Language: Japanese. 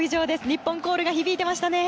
日本コールが響いていましたね。